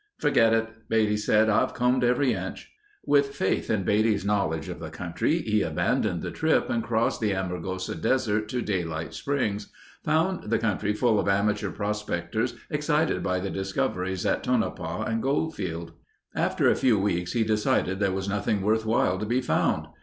"Forget it," Beatty said, "I've combed every inch." With faith in Beatty's knowledge of the country, he abandoned the trip and crossed the Amargosa desert to Daylight Springs, found the country full of amateur prospectors excited by the discoveries at Tonopah and Goldfield. After a few weeks he decided there was nothing worthwhile to be found.